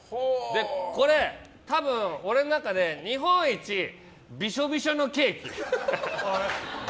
これは俺の中で日本一びしょびしょのケーキ。